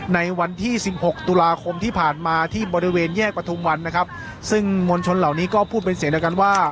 ในวันที่สิบหกตุลาคมที่ผ่านมาที่บริเวณแยกประทุมวันนะครับซึ่งมวลชนเหล่านี้ก็พูดเป็นเสียงเดียวกันว่า